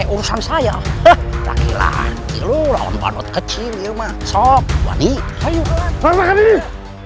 urusan saya kecil kecil maaf sobat nih